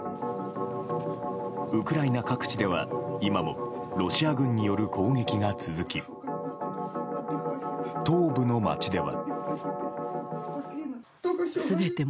ウクライナ各地では今もロシア軍による攻撃が続き東部の街では。